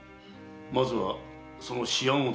まずはその試案を作る。